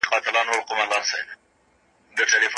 هغه د تېر قدرت يادونه کوله.